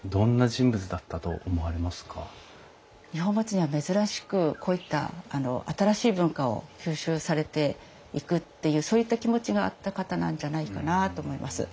二本松には珍しくこういった新しい文化を吸収されていくっていうそういった気持ちがあった方なんじゃないかなと思います。